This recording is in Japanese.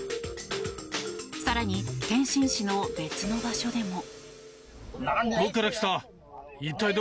更に、天津市の別の場所でも。